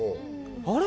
あれ？